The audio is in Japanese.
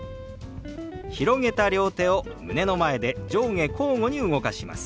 広げた両手を胸の前で上下交互に動かします。